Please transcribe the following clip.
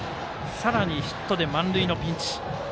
さらにヒットで満塁のピンチ。